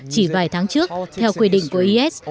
chỉ vài tháng trước theo quy định của is